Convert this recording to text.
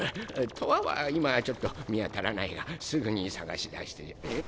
とわは今はちょっと見当たらないがすぐに探し出してえ？